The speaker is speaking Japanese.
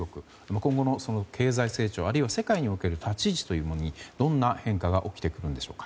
今後の経済成長あるいは世界における立ち位置というものにどんな変化が起きてくるんでしょうか。